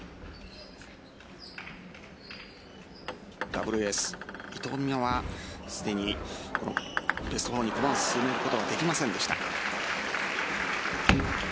ダブルエース、伊藤美誠はすでにベスト４に駒を進めることができませんでした。